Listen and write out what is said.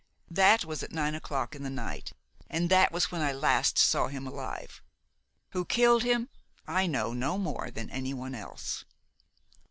That was at nine o'clock in the night, and that was when I last saw him alive. Who killed him I know no more than any one else.